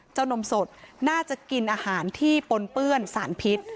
นมสดน่าจะกินอาหารที่ปนเปื้อนสารพิษ